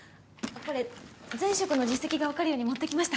これ前職の実績がわかるように持ってきました。